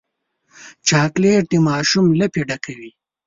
چاکلېټ د ماشوم لپې ډکوي.